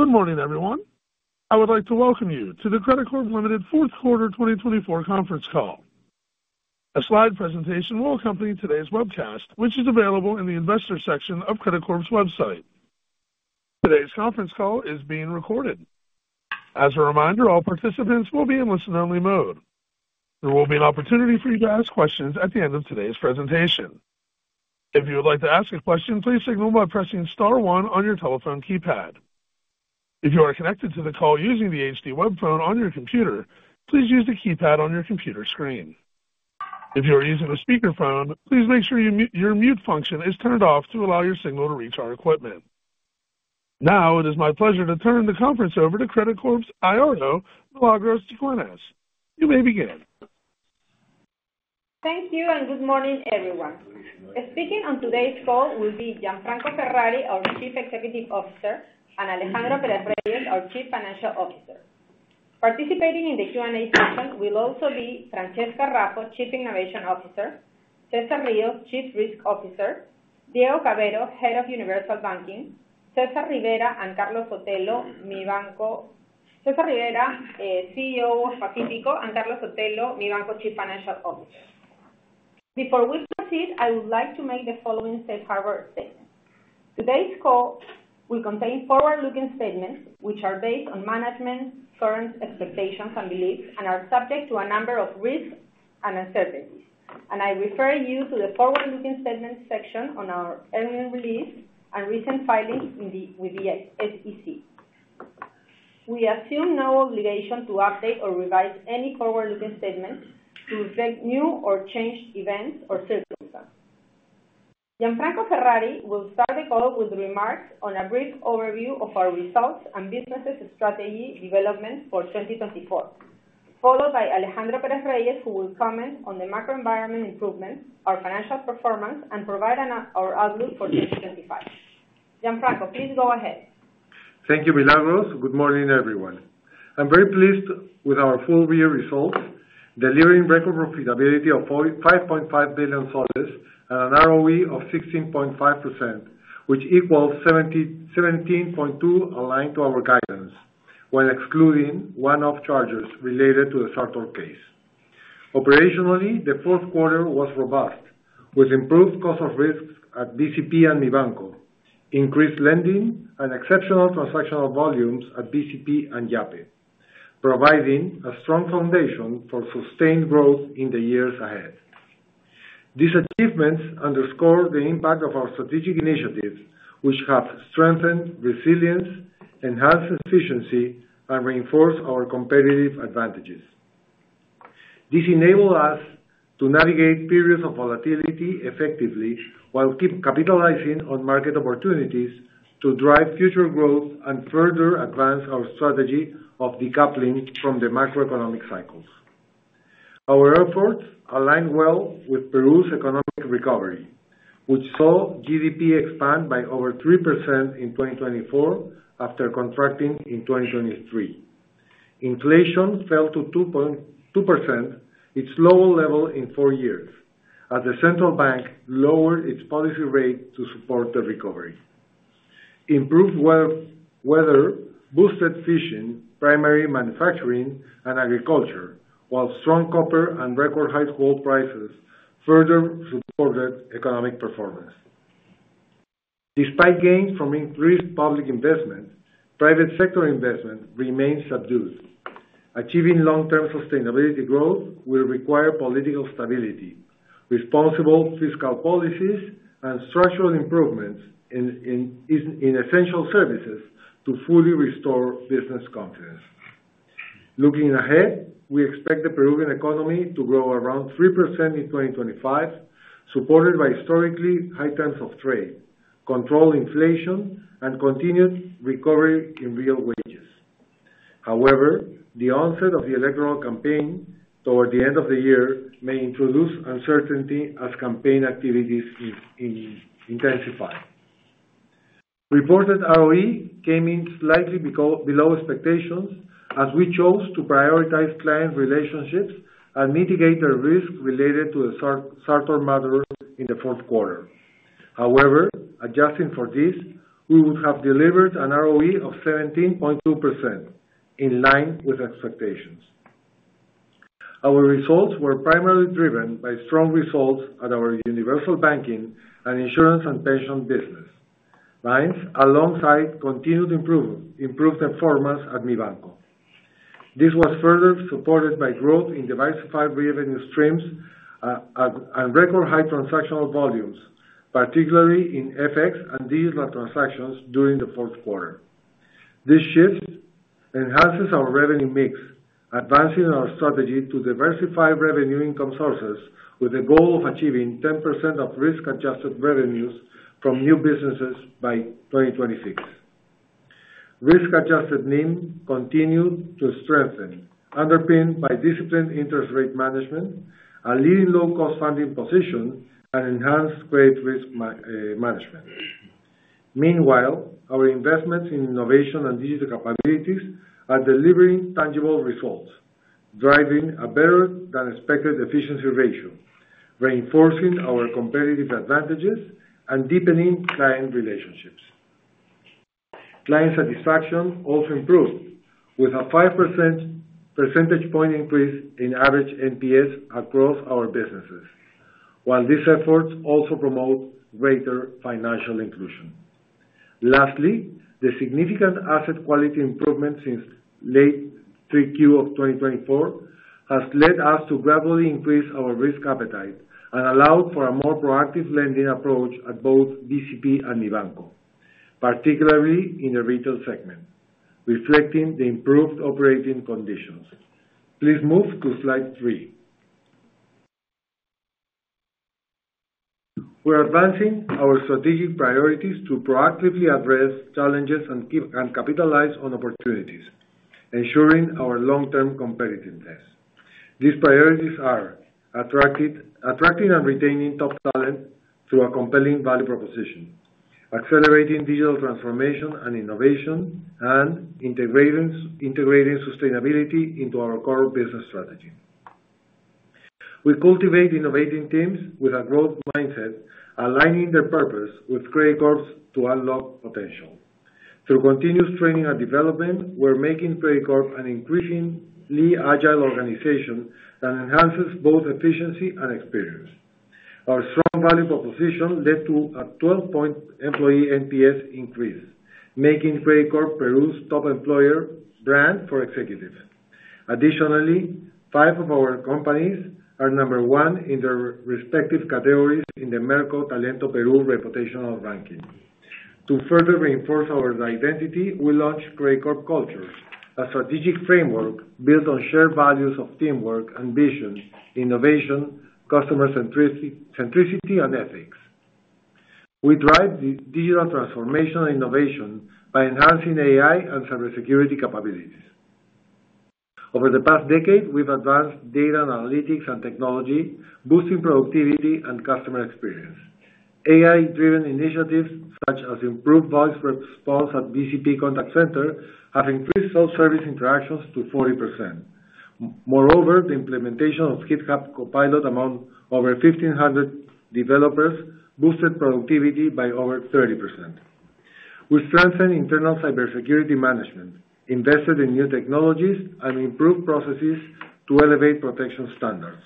Good morning, everyone. I would like to welcome you to the Credicorp Limited Fourth Quarter 2024 Conference Call. A slide presentation will accompany today's webcast, which is available in the Investor section of Credicorp's website. Today's conference call is being recorded. As a reminder, all participants will be in listen-only mode. There will be an opportunity for you to ask questions at the end of today's presentation. If you would like to ask a question, please signal by pressing star one on your telephone keypad. If you are connected to the call using the HD web phone on your computer, please use the keypad on your computer screen. If you are using a speakerphone, please make sure your mute function is turned off to allow your signal to reach our equipment. Now, it is my pleasure to turn the conference over to Credicorp's IRO, Milagros Cigüeñas. You may begin. Thank you and good morning, everyone. Speaking on today's call will be Gianfranco Ferrari, our Chief Executive Officer, and Alejandro Perez-Reyes, our Chief Financial Officer. Participating in the Q&A session will also be Francesca Raffo, Chief Innovation Officer; Cesar Rios, Chief Risk Officer; Diego Cavero, Head of Universal Banking; Cesar Rivera, CEO of Pacífico, and Carlos Sotelo, Mibanco Chief Financial Officer. Before we proceed, I would like to make the following Safe Harbor statement. Today's call will contain forward-looking statements which are based on management's current expectations and beliefs and are subject to a number of risks and uncertainties, and I refer you to the forward-looking statements section on our annual release and recent filings with the SEC. We assume no obligation to update or revise any forward-looking statement to reflect new or changed events or circumstances. Gianfranco Ferrari will start the call with remarks on a brief overview of our results and businesses' strategy development for 2024, followed by Alejandro Perez-Reyes, who will comment on the macro-environment improvements, our financial performance, and provide our outlook for 2025. Gianfranco, please go ahead. Thank you, Milagros. Good morning, everyone. I'm very pleased with our full-year results, delivering record profitability of PEN 5.5 billion and an ROE of 16.5%, which equals 17.2% aligned to our guidance, when excluding one-off charges related to the Sartor case. Operationally, the fourth quarter was robust, with improved cost of risk at BCP and Mibanco, increased lending, and exceptional transactional volumes at BCP and Yape, providing a strong foundation for sustained growth in the years ahead. These achievements underscore the impact of our strategic initiatives, which have strengthened resilience, enhanced efficiency, and reinforced our competitive advantages. This enabled us to navigate periods of volatility effectively while capitalizing on market opportunities to drive future growth and further advance our strategy of decoupling from the macroeconomic cycles. Our efforts align well with Peru's economic recovery, which saw GDP expand by over 3% in 2024 after contracting in 2023. Inflation fell to 2%, its lowest level in four years, as the Central Bank lowered its policy rate to support the recovery. Improved weather boosted fishing, primary manufacturing, and agriculture, while strong copper and record-high gold prices further supported economic performance. Despite gains from increased public investment, private sector investment remains subdued. Achieving long-term sustainability growth will require political stability, responsible fiscal policies, and structural improvements in essential services to fully restore business confidence. Looking ahead, we expect the Peruvian economy to grow around 3% in 2025, supported by historically high terms of trade, controlled inflation, and continued recovery in real wages. However, the onset of the electoral campaign toward the end of the year may introduce uncertainty as campaign activities intensify. Reported ROE came in slightly below expectations as we chose to prioritize client relationships and mitigate the risk related to the Sartor matters in the fourth quarter. However, adjusting for this, we would have delivered an ROE of 17.2% in line with expectations. Our results were primarily driven by strong results at our Universal Banking and Insurance and Pension business lines, alongside continued improved performance at Mibanco. This was further supported by growth in diversified revenue streams and record-high transactional volumes, particularly in FX and digital transactions during the fourth quarter. This shift enhances our revenue mix, advancing our strategy to diversify revenue income sources with the goal of achieving 10% of risk-adjusted revenues from new businesses by 2026. Risk-adjusted NIM continued to strengthen, underpinned by disciplined interest rate management, a leading low-cost funding position, and enhanced trade risk management. Meanwhile, our investments in innovation and digital capabilities are delivering tangible results, driving a better-than-expected efficiency ratio, reinforcing our competitive advantages and deepening client relationships. Client satisfaction also improved, with a 5% percentage point increase in average NPS across our businesses, while these efforts also promote greater financial inclusion. Lastly, the significant asset quality improvement since late 3Q of 2024 has led us to gradually increase our risk appetite and allow for a more proactive lending approach at both BCP and Mibanco, particularly in the Retail segment, reflecting the improved operating conditions. Please move to slide three. We're advancing our strategic priorities to proactively address challenges and capitalize on opportunities, ensuring our long-term competitiveness. These priorities are attracting and retaining top talent through a compelling value proposition, accelerating digital transformation and innovation, and integrating sustainability into our core business strategy. We cultivate innovating teams with a growth mindset, aligning their purpose with Credicorp's to unlock potential. Through continuous training and development, we're making Credicorp an increasingly agile organization that enhances both efficiency and experience. Our strong value proposition led to a 12-point employee NPS increase, making Credicorp, Peru's top employer brand for executives. Additionally, five of our companies are number one in their respective categories in the Merco Talento Peru reputational ranking. To further reinforce our identity, we launched Credicorp Culture, a strategic framework built on shared values of teamwork and vision, innovation, customer centricity, and ethics. We drive digital transformation and innovation by enhancing AI and cybersecurity capabilities. Over the past decade, we've advanced data analytics and technology, boosting productivity and customer experience. AI-driven initiatives such as improved voice response at BCP contact center have increased self-service interactions to 40%. Moreover, the implementation of GitHub Copilot among over 1,500 developers boosted productivity by over 30%. We strengthened internal cybersecurity management, invested in new technologies, and improved processes to elevate protection standards.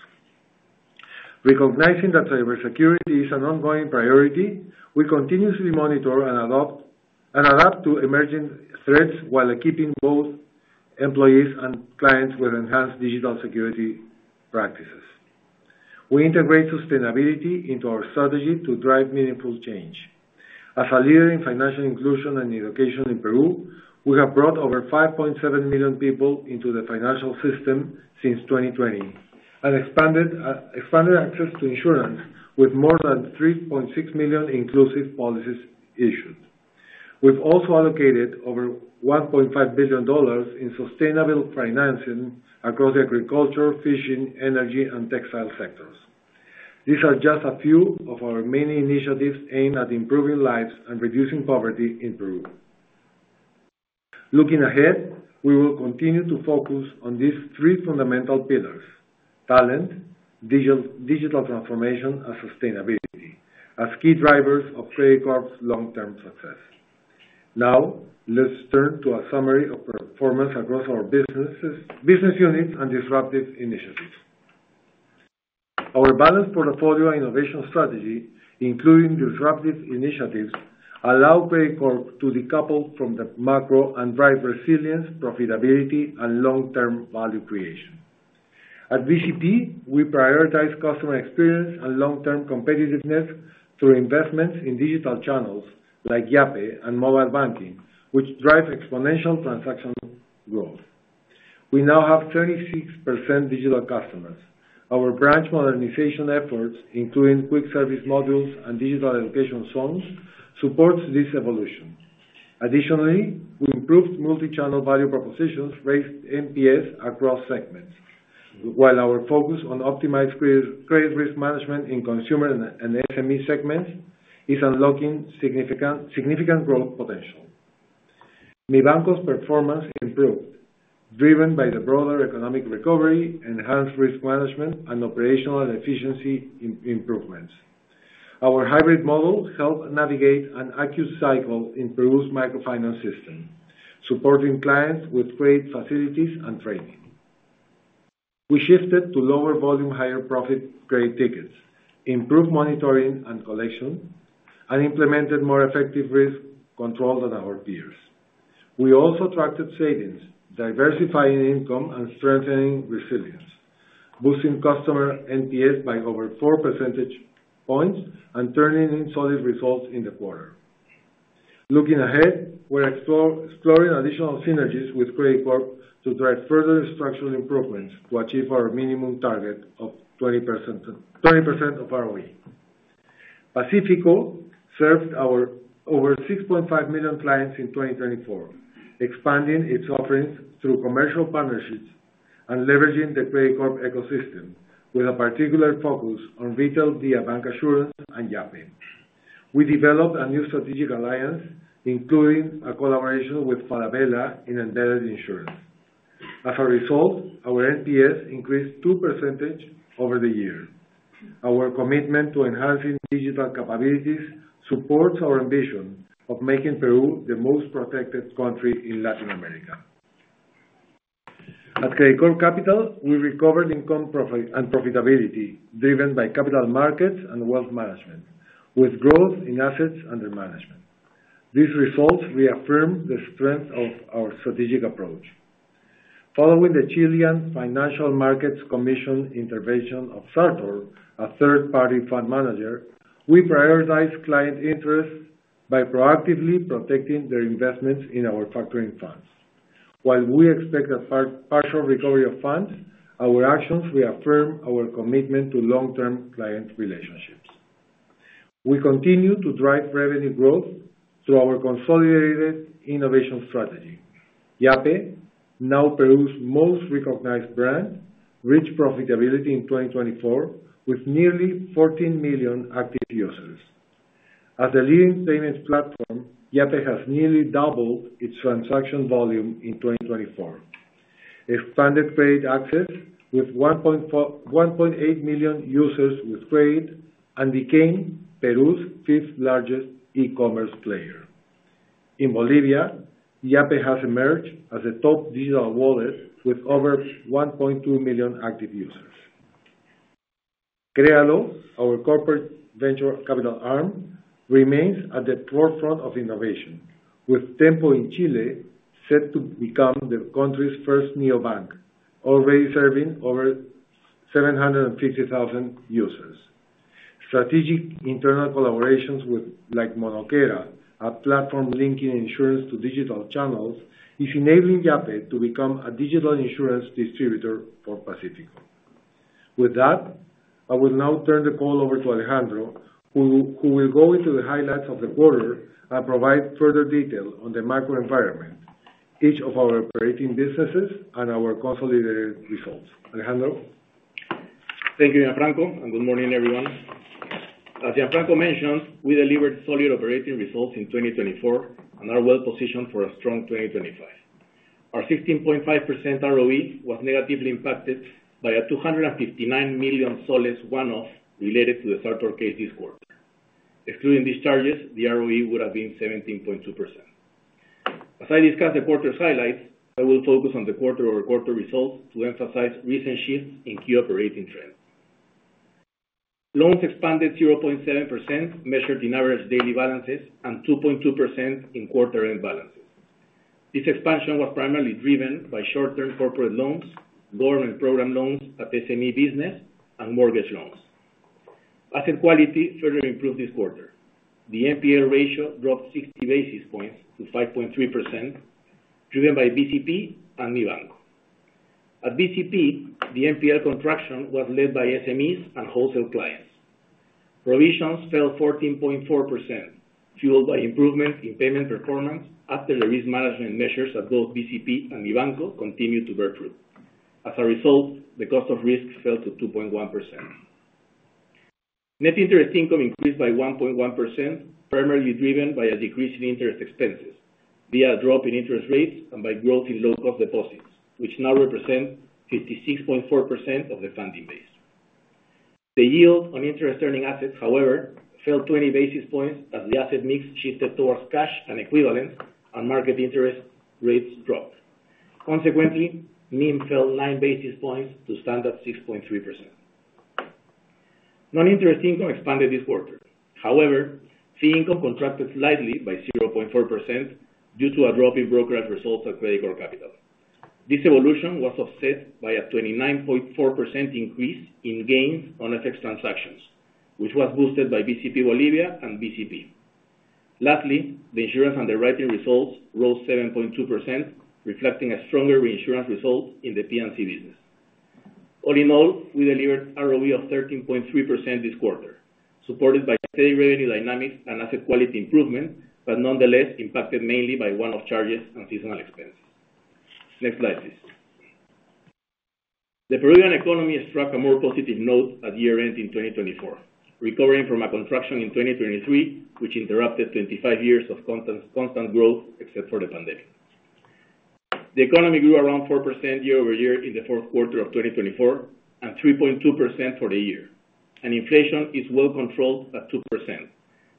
Recognizing that cybersecurity is an ongoing priority, we continuously monitor and adapt to emerging threats while equipping both employees and clients with enhanced digital security practices. We integrate sustainability into our strategy to drive meaningful change. As a leader in financial inclusion and education in Peru, we have brought over 5.7 million people into the financial system since 2020 and expanded access to insurance with more than 3.6 million inclusive policies issued. We've also allocated over $1.5 billion in sustainable financing across agriculture, fishing, energy, and textile sectors. These are just a few of our many initiatives aimed at improving lives and reducing poverty in Peru. Looking ahead, we will continue to focus on these three fundamental pillars: talent, digital transformation, and sustainability as key drivers of Credicorp's long-term success. Now, let's turn to a summary of performance across our business units and disruptive initiatives. Our balanced portfolio and innovation strategy, including disruptive initiatives, allow Credicorp to decouple from the macro and drive resilience, profitability, and long-term value creation. At BCP, we prioritize customer experience and long-term competitiveness through investments in digital channels like Yape and mobile banking, which drive exponential transaction growth. We now have 36% digital customers. Our branch modernization efforts, including quick service modules and digital education zones, support this evolution. Additionally, we improved multi-channel value propositions, raised NPS across segments, while our focus on optimized credit risk management in consumer and SME segments is unlocking significant growth potential. Mibanco's performance improved, driven by the broader economic recovery, enhanced risk management, and operational efficiency improvements. Our hybrid model helped navigate an acute cycle in Peru's microfinance system, supporting clients with great facilities and training. We shifted to lower volume, higher profit credit tickets, improved monitoring and collection, and implemented more effective risk control than our peers. We also attracted savings, diversifying income and strengthening resilience, boosting customer NPS by over 4 percentage points and turning in solid results in the quarter. Looking ahead, we're exploring additional synergies with Credicorp to drive further structural improvements to achieve our minimum target of 20% of ROE. Pacífico served over 6.5 million clients in 2024, expanding its offerings through commercial partnerships and leveraging the Credicorp ecosystem, with a particular focus on retail via bancassurance and Yape. We developed a new strategic alliance, including a collaboration with Falabella in embedded insurance. As a result, our NPS increased 2% over the year. Our commitment to enhancing digital capabilities supports our ambition of making Peru the most protected country in Latin America. At Credicorp Capital, we recovered income and profitability driven by Capital Markets and Wealth Management, with growth in assets under management. These results reaffirm the strength of our strategic approach. Following the Chilean Financial Markets Commission intervention of Sartor, a third-party fund manager, we prioritize client interests by proactively protecting their investments in our factoring funds. While we expect a partial recovery of funds, our actions reaffirm our commitment to long-term client relationships. We continue to drive revenue growth through our consolidated innovation strategy. Yape, now Peru's most recognized brand, reached profitability in 2024 with nearly 14 million active users. As a leading payment platform, Yape has nearly doubled its transaction volume in 2024, expanded credit access with 1.8 million users with credit, and became Peru's fifth-largest e-commerce player. In Bolivia, Yape has emerged as a top digital wallet with over 1.2 million active users. Krealo, our corporate venture capital arm, remains at the forefront of innovation, with Tenpo in Chile set to become the country's first neobank, already serving over 750,000 users. Strategic internal collaborations with Monokera, a platform linking insurance to digital channels, are enabling Yape to become a digital insurance distributor for Pacífico. With that, I will now turn the call over to Alejandro, who will go into the highlights of the quarter and provide further detail on the macro environment, each of our operating businesses and our consolidated results. Alejandro? Thank you, Gianfranco, and good morning, everyone. As Gianfranco mentioned, we delivered solid operating results in 2024 and are well-positioned for a strong 2025. Our 16.5% ROE was negatively impacted by a PEN 259 million one-off related to the Sartor case this quarter. Excluding these charges, the ROE would have been 17.2%. As I discussed the quarter's highlights, I will focus on the quarter-over-quarter results to emphasize recent shifts in key operating trends. Loans expanded 0.7%, measured in average daily balances, and 2.2% in quarter-end balances. This expansion was primarily driven by short-term corporate loans, government program loans at SME business, and mortgage loans. Asset quality further improved this quarter. The NPL ratio dropped 60 basis points to 5.3%, driven by BCP and Mibanco. At BCP, the NPL contraction was led by SMEs and wholesale clients. Provisions fell 14.4%, fueled by improvements in payment performance after the risk management measures at both BCP and Mibanco continued to be approved. As a result, the cost of risk fell to 2.1%. Net interest income increased by 1.1%, primarily driven by a decrease in interest expenses via a drop in interest rates and by growth in low-cost deposits, which now represent 56.4% of the funding base. The yield on interest-earning assets, however, fell 20 basis points as the asset mix shifted towards cash and equivalents, and market interest rates dropped. Consequently, NIM fell 9 basis points to stand at 6.3%. Non-interest income expanded this quarter. However, fee income contracted slightly by 0.4% due to a drop in brokerage results at Credicorp Capital. This evolution was offset by a 29.4% increase in gains on FX transactions, which was boosted by BCP Bolivia and BCP. Lastly, the insurance underwriting results rose 7.2%, reflecting a stronger reinsurance result in the P&C business. All-in-all, we delivered ROE of 13.3% this quarter, supported by steady revenue dynamics and asset quality improvement, but nonetheless impacted mainly by one-off charges and seasonal expenses. Next slide, please. The Peruvian economy struck a more positive note at year-end in 2024, recovering from a contraction in 2023, which interrupted 25 years of constant growth except for the pandemic. The economy grew around 4% year-over-year in the fourth quarter of 2024 and 3.2% for the year. Inflation is well-controlled at 2%,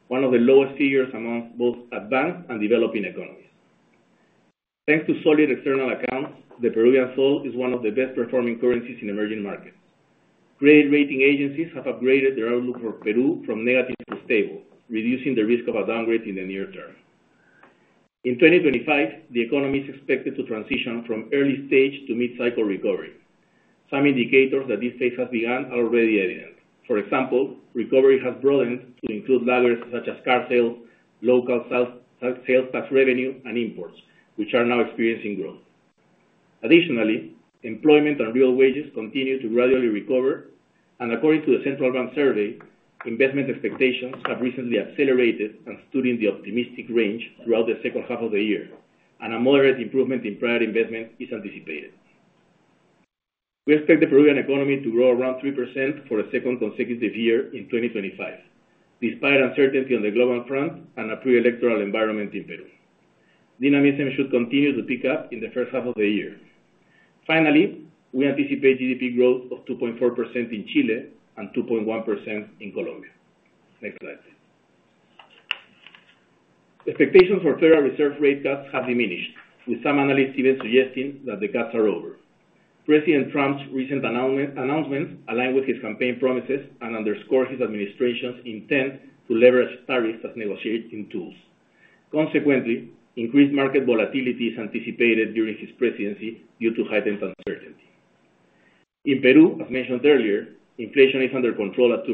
one of the lowest figures among both advanced and developing economies. Thanks to solid external accounts, the Peruvian sol is one of the best-performing currencies in emerging markets. Credit rating agencies have upgraded their outlook for Peru from negative to stable, reducing the risk of a downgrade in the near term. In 2025, the economy is expected to transition from early stage to mid-cycle recovery. Some indicators that this phase has begun are already evident. For example, recovery has broadened to include laggards such as car sales, local sales tax revenue, and imports, which are now experiencing growth. Additionally, employment and real wages continue to gradually recover. And according to the Central Bank survey, investment expectations have recently accelerated and stood in the optimistic range throughout the second half of the year, and a moderate improvement in prior investment is anticipated. We expect the Peruvian economy to grow around 3% for a second consecutive year in 2025, despite uncertainty on the global front and a pre-electoral environment in Peru. Dynamism should continue to pick up in the first half of the year. Finally, we anticipate GDP growth of 2.4% in Chile and 2.1% in Colombia. Next slide, please. Expectations for Federal Reserve rate cuts have diminished, with some analysts even suggesting that the cuts are over. President Trump's recent announcements align with his campaign promises and underscore his administration's intent to leverage tariffs as negotiating tools. Consequently, increased market volatility is anticipated during his presidency due to heightened uncertainty. In Peru, as mentioned earlier, inflation is under control at 2%.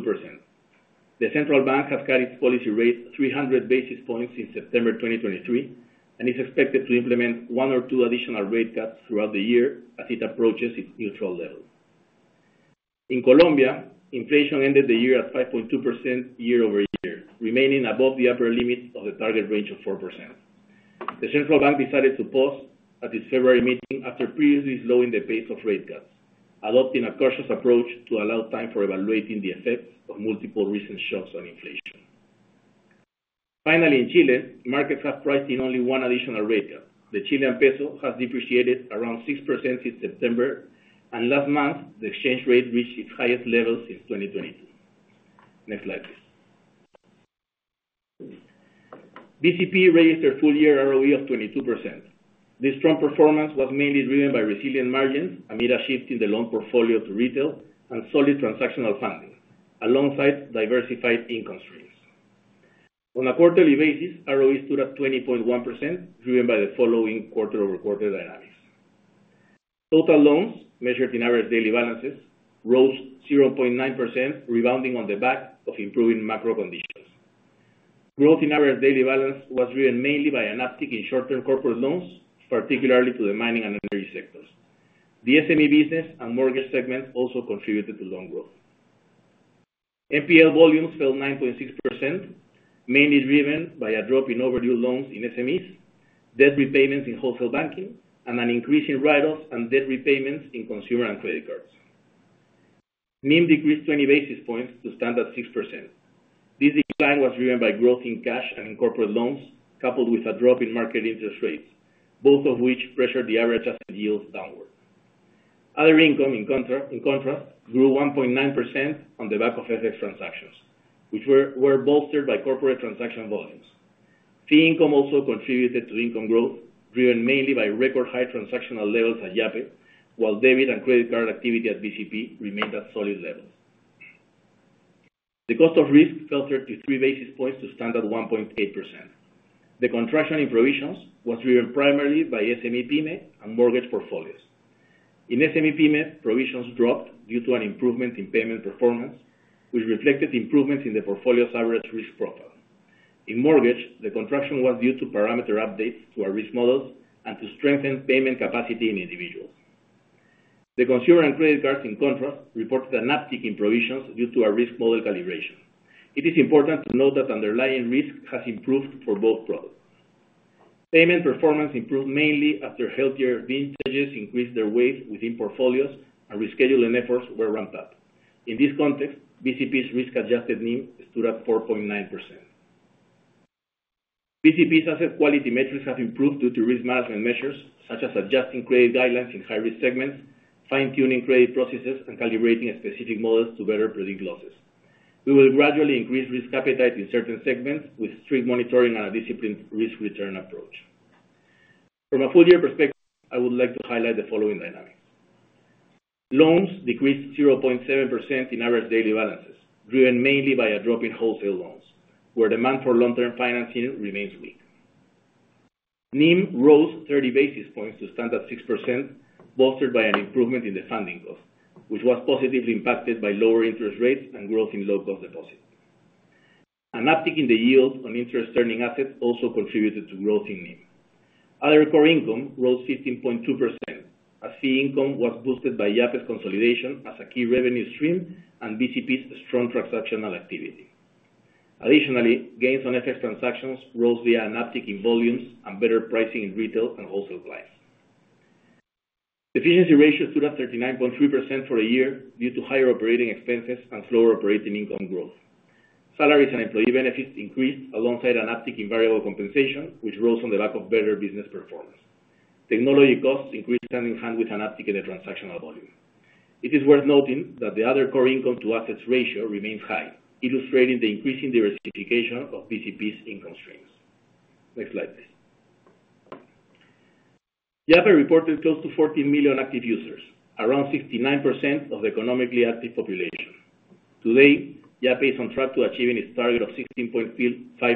The Central Bank has cut its policy rate 300 basis points since September 2023 and is expected to implement one or two additional rate cuts throughout the year as it approaches its neutral level. In Colombia, inflation ended the year at 5.2% year-over-year, remaining above the upper limit of the target range of 4%. The Central Bank decided to pause at its February meeting after previously slowing the pace of rate cuts, adopting a cautious approach to allow time for evaluating the effects of multiple recent shocks on inflation. Finally, in Chile, markets have priced in only one additional rate cut. The Chilean peso has depreciated around 6% since September, and last month, the exchange rate reached its highest level since 2022. Next slide, please. BCP registered full-year ROE of 22%. This strong performance was mainly driven by resilient margins amid a shift in the loan portfolio to retail and solid transactional funding, alongside diversified income streams. On a quarterly basis, ROE stood at 20.1%, driven by the following quarter-over-quarter dynamics. Total loans, measured in average daily balances, rose 0.9%, rebounding on the back of improving macro conditions. Growth in average daily balance was driven mainly by an uptick in short-term corporate loans, particularly to the mining and energy sectors. The SME business and mortgage segment also contributed to loan growth. NPL volumes fell 9.6%, mainly driven by a drop in overdue loans in SMEs, debt repayments in Wholesale Banking, and an increase in write-offs and debt repayments in consumer and credit cards. NIM decreased 20 basis points to stand at 6%. This decline was driven by growth in cash and in corporate loans, coupled with a drop in market interest rates, both of which pressured the average asset yields downward. Other income, in contrast, grew 1.9% on the back of FX transactions, which were bolstered by corporate transaction volumes. Fee income also contributed to income growth, driven mainly by record-high transactional levels at Yape, while debit and credit card activity at BCP remained at solid levels. The cost of risk fell 33 basis points to stand at 1.8%. The contraction in provisions was driven primarily by SME-Pyme and mortgage portfolios. In SME-Pyme, provisions dropped due to an improvement in payment performance, which reflected improvements in the portfolio's average risk profile. In mortgage, the contraction was due to parameter updates to our risk models and to strengthen payment capacity in individuals. The consumer and credit cards, in contrast, reported an uptick in provisions due to our risk model calibration. It is important to note that underlying risk has improved for both products. Payment performance improved mainly after healthier vintages increased their weight within portfolios and rescheduling efforts were ramped up. In this context, BCP's risk-adjusted NIM stood at 4.9%. BCP's asset quality metrics have improved due to risk management measures such as adjusting credit guidelines in high-risk segments, fine-tuning credit processes, and calibrating specific models to better predict losses. We will gradually increase risk appetite in certain segments with strict monitoring and a disciplined risk-return approach. From a full-year perspective, I would like to highlight the following dynamics. Loans decreased 0.7% in average daily balances, driven mainly by a drop in wholesale loans, where demand for long-term financing remains weak. NIM rose 30 basis points to stand at 6%, bolstered by an improvement in the funding cost, which was positively impacted by lower interest rates and growth in low-cost deposits. An uptick in the yield on interest-earning assets also contributed to growth in NIM. Other core income rose 15.2%, as fee income was boosted by Yape's consolidation as a key revenue stream and BCP's strong transactional activity. Additionally, gains on FX transactions rose via an uptick in volumes and better pricing in retail and wholesale clients. Efficiency ratio stood at 39.3% for a year due to higher operating expenses and slower operating income growth. Salaries and employee benefits increased alongside an uptick in variable compensation, which rose on the back of better business performance. Technology costs increased hand in hand with an uptick in the transactional volume. It is worth noting that the other core income-to-assets ratio remains high, illustrating the increasing diversification of BCP's income streams. Next slide, please. Yape reported close to 14 million active users, around 69% of the economically active population. Today, Yape is on track to achieve its target of 16.5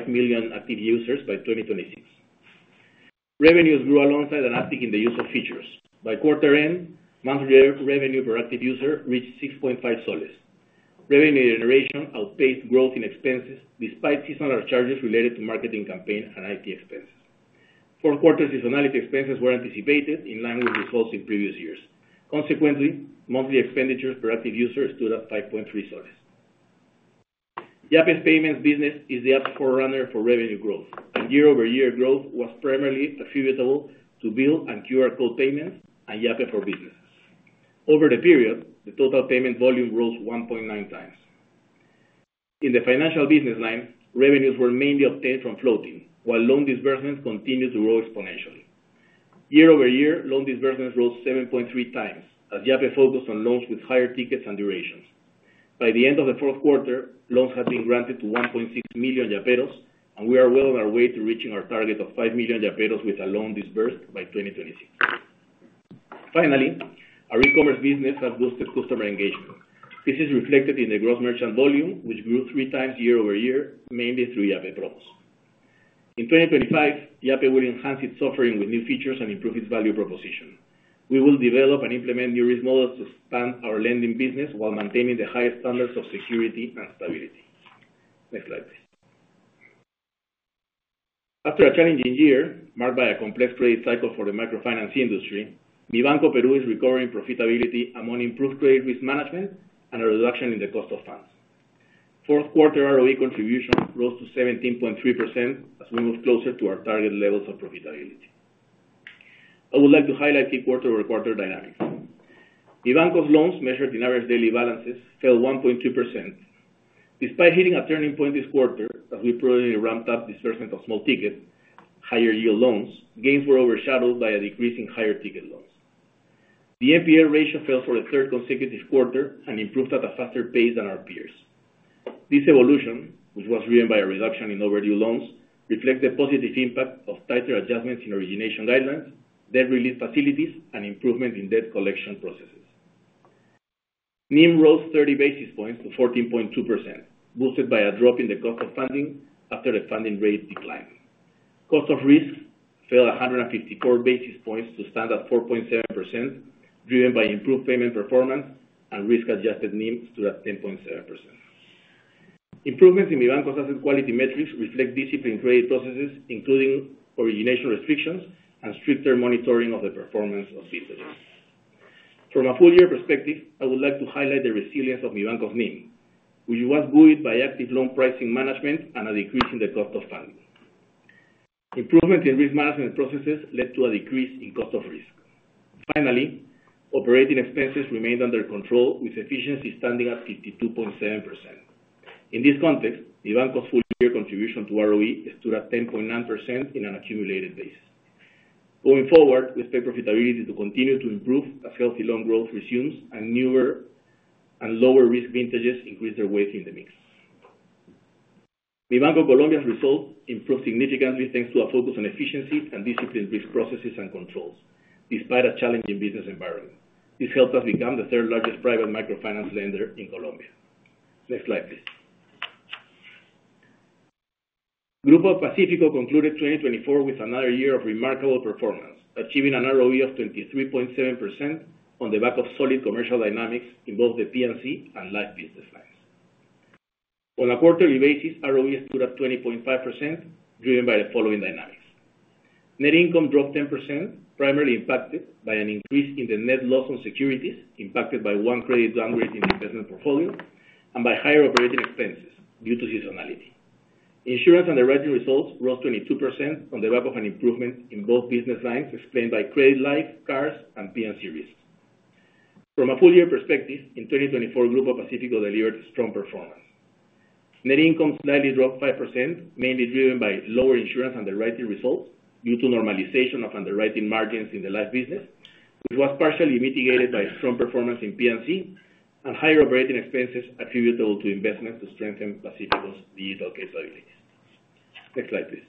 million active users by 2026. Revenues grew alongside an uptick in the use of features. By quarter-end, monthly revenue per active user reached PEN 6.5. Revenue generation outpaced growth in expenses despite seasonal charges related to marketing campaigns and IT expenses. Fourth quarter seasonality expenses were anticipated in line with results in previous years. Consequently, monthly expenditures per active user stood at PEN 5.3. Yape's payments business is the frontrunner for revenue growth, and year-over-year growth was primarily attributable to bill and QR code payments and Yape for businesses. Over the period, the total payment volume rose 1.9x. In the financial business line, revenues were mainly obtained from float, while loan disbursements continued to grow exponentially. Year-over-year, loan disbursements rose 7.3x, as Yape focused on loans with higher tickets and durations. By the end of the fourth quarter, loans had been granted to 1.6 million Yaperos, and we are well on our way to reaching our target of 5 million Yaperos with a loan disbursed by 2026. Finally, our e-commerce business has boosted customer engagement. This is reflected in the gross merchant volume, which grew three times year-over-year, mainly through Yape Promos. In 2025, Yape will enhance its offering with new features and improve its value proposition. We will develop and implement new risk models to expand our lending business while maintaining the highest standards of security and stability. Next slide, please. After a challenging year marked by a complex credit cycle for the microfinance industry, Mibanco Peru is recovering profitability among improved credit risk management and a reduction in the cost of funds. Fourth-quarter ROE contribution rose to 17.3% as we move closer to our target levels of profitability. I would like to highlight key quarter-over-quarter dynamics. Mibanco's loans measured in average daily balances fell 1.2%. Despite hitting a turning point this quarter, as we previously ramped up disbursement of small tickets, higher yield loans, gains were overshadowed by a decrease in higher ticket loans. The NPL ratio fell for the third consecutive quarter and improved at a faster pace than our peers. This evolution, which was driven by a reduction in overdue loans, reflects the positive impact of tighter adjustments in origination guidelines, debt relief facilities, and improvements in debt collection processes. NIM rose 30 basis points to 14.2%, boosted by a drop in the cost of funding after the funding rate declined. Cost of risk fell 154 basis points to stand at 4.7%, driven by improved payment performance. Risk-adjusted NIM stood at 10.7%. Improvements in Mibanco's asset quality metrics reflect disciplined credit processes, including origination restrictions and stricter monitoring of the performance of businesses. From a full-year perspective, I would like to highlight the resilience of Mibanco's NIM, which was buoyed by active loan pricing management and a decrease in the cost of funding. Improvements in risk management processes led to a decrease in cost of risk. Finally, operating expenses remained under control, with efficiency standing at 52.7%. In this context, Mibanco's full-year contribution to ROE stood at 10.9% on an accumulated basis. Going forward, we expect profitability to continue to improve as healthy loan growth resumes and newer and lower-risk vintages increase their weight in the mix. Mibanco Colombia's result improved significantly thanks to a focus on efficiency and disciplined risk processes and controls, despite a challenging business environment. This helped us become the third largest private microfinance lender in Colombia. Next slide, please. Grupo Pacífico concluded 2024 with another year of remarkable performance, achieving an ROE of 23.7% on the back of solid commercial dynamics in both the P&C and Life business lines. On a quarterly basis, ROE stood at 20.5%, driven by the following dynamics. Net income dropped 10%, primarily impacted by an increase in the net loss on securities impacted by one credit downgrade in the investment portfolio and by higher operating expenses due to seasonality. Insurance underwriting results rose 22% on the back of an improvement in both business lines explained by Credit Life, Cars, and P&C risks. From a full-year perspective, in 2024, Grupo Pacífico delivered strong performance. Net income slightly dropped 5%, mainly driven by lower insurance underwriting results due to normalization of underwriting margins in the life business, which was partially mitigated by strong performance in P&C and higher operating expenses attributable to investments to strengthen Pacifico's digital capabilities. Next slide, please.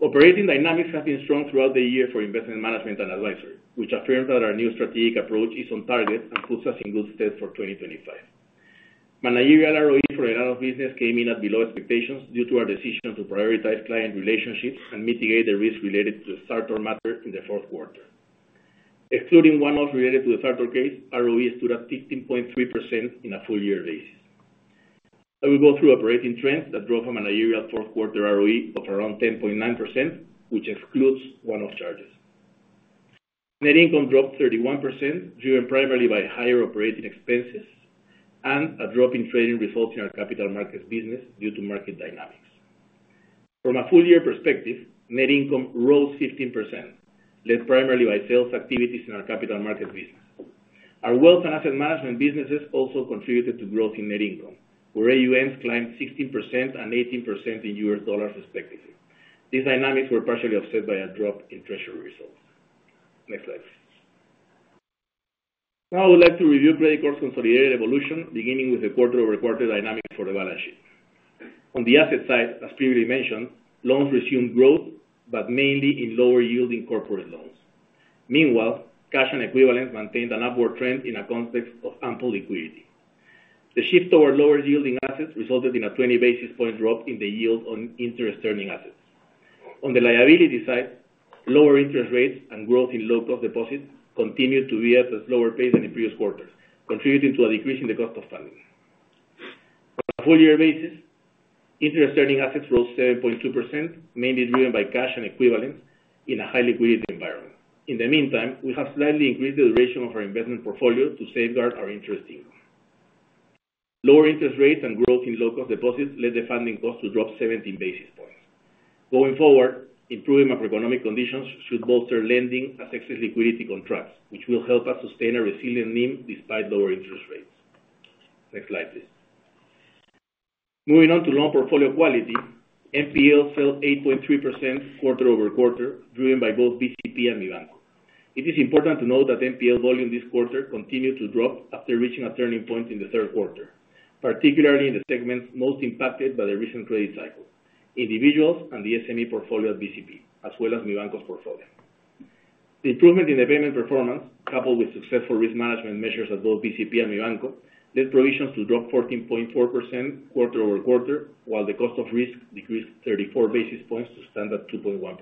Operating dynamics have been strong throughout the year for Investment Management and Advisory, which affirms that our new strategic approach is on target and puts us in good stead for 2025. Managerial ROE for the line of business came in at below expectations due to our decision to prioritize client relationships and mitigate the risk related to the Sartor matter in the fourth quarter. Excluding one-off related to the Sartor case, ROE stood at 15.3% in a full-year basis. I will go through operating trends that drove a managerial fourth quarter ROE of around 10.9%, which excludes one-off charges. Net income dropped 31%, driven primarily by higher operating expenses and a drop in trading results in our Capital Markets business due to market dynamics. From a full-year perspective, net income rose 15%, led primarily by sales activities in our Capital Markets business. Our Wealth and Asset Management businesses also contributed to growth in net income, where AUMs climbed 16% and 18% in U.S. dollars, respectively. These dynamics were partially offset by a drop in treasury results. Next slide, please. Now, I would like to review Credicorp's consolidated evolution, beginning with the quarter-over-quarter dynamics for the balance sheet. On the asset side, as previously mentioned, loans resumed growth, but mainly in lower-yielding corporate loans. Meanwhile, cash and equivalents maintained an upward trend in a context of ample liquidity. The shift toward lower-yielding assets resulted in a 20 basis point drop in the yield on interest-earning assets. On the liability side, lower interest rates and growth in low-cost deposits continued to be at a slower pace than in previous quarters, contributing to a decrease in the cost of funding. On a full-year basis, interest-earning assets rose 7.2%, mainly driven by cash and equivalents in a high-liquidity environment. In the meantime, we have slightly increased the duration of our investment portfolio to safeguard our interest income. Lower interest rates and growth in low-cost deposits led the funding cost to drop 17 basis points. Going forward, improving macroeconomic conditions should bolster lending as excess liquidity contracts, which will help us sustain a resilient NIM despite lower interest rates. Next slide, please. Moving on to loan portfolio quality, NPL fell 8.3% quarter-over-quarter, driven by both BCP and Mibanco. It is important to note that NPL volume this quarter continued to drop after reaching a turning point in the third quarter, particularly in the segments most impacted by the recent credit cycle: individuals and the SME portfolio at BCP, as well as Mibanco's portfolio. The improvement in the payment performance, coupled with successful risk management measures at both BCP and Mibanco, led provisions to drop 14.4% quarter-over-quarter, while the cost of risk decreased 34 basis points to stand at 2.1%.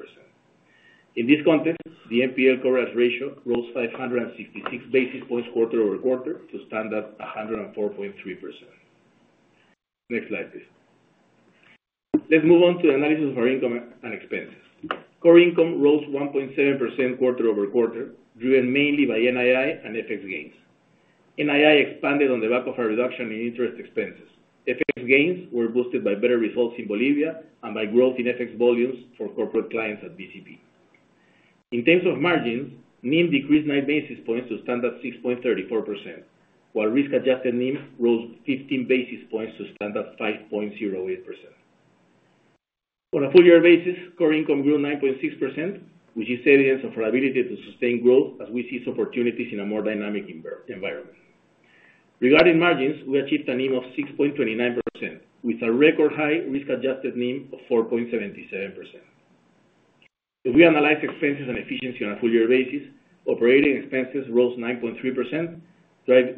In this context, the NPL coverage ratio rose 566 basis points quarter-over-quarter to stand at 104.3%. Next slide, please. Let's move on to the analysis of our income and expenses. Core income rose 1.7% quarter-over-quarter, driven mainly by NII and FX gains. NII expanded on the back of our reduction in interest expenses. FX gains were boosted by better results in Bolivia and by growth in FX volumes for corporate clients at BCP. In terms of margins, NIM decreased 9 basis points to stand at 6.34%, while risk-adjusted NIM rose 15 basis points to stand at 5.08%. On a full-year basis, core income grew 9.6%, which is evidence of our ability to sustain growth as we see opportunities in a more dynamic environment. Regarding margins, we achieved a NIM of 6.29%, with a record high risk-adjusted NIM of 4.77%. If we analyze expenses and efficiency on a full-year basis, operating expenses rose 9.3%,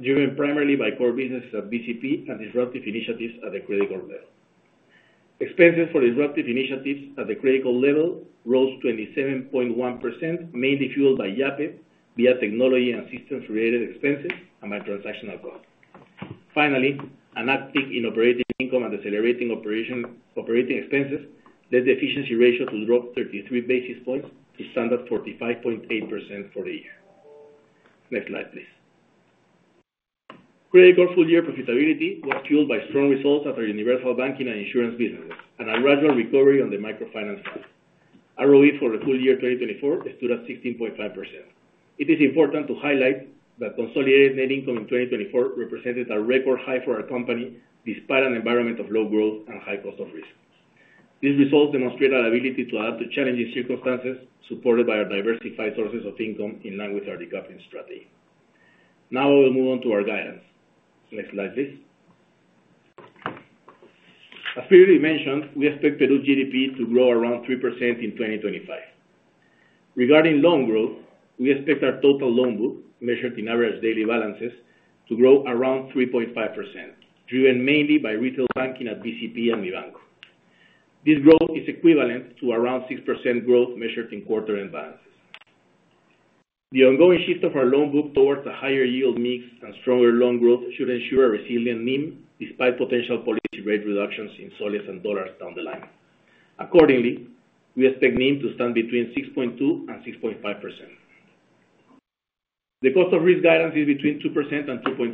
driven primarily by core businesses at BCP and disruptive initiatives at the Credicorp level. Expenses for disruptive initiatives at the Credicorp level rose 27.1%, mainly fueled by Yape via technology and systems-related expenses and by transactional cost. Finally, an uptick in operating income and accelerating operating expenses led the efficiency ratio to drop 33 basis points to stand at 45.8% for the year. Next slide, please. Credicorp's full-year profitability was fueled by strong results at our Universal Banking and Insurance businesses and a gradual recovery on the microfinance front. ROE for the full year 2024 stood at 16.5%. It is important to highlight that consolidated net income in 2024 represented a record high for our company despite an environment of low growth and high cost of risk. These results demonstrate our ability to adapt to challenging circumstances supported by our diversified sources of income in line with our recovery strategy. Now, I will move on to our guidance. Next slide, please. As previously mentioned, we expect Peru's GDP to grow around 3% in 2025. Regarding loan growth, we expect our total loan book measured in average daily balances to grow around 3.5%, driven mainly by retail banking at BCP and Mibanco. This growth is equivalent to around 6% growth measured in quarter-end balances. The ongoing shift of our loan book towards a higher yield mix and stronger loan growth should ensure a resilient NIM despite potential policy rate reductions in soles and dollars down the line. Accordingly, we expect NIM to stand between 6.2% and 6.5%. The cost of risk guidance is between 2% and 2.4%.